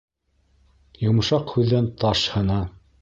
Йомшаҡ һүҙҙән таш һына.